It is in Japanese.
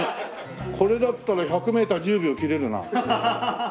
これだったら１００メーター１０秒切れるな。